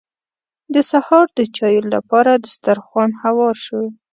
د سهار د چايو لپاره دسترخوان هوار شو.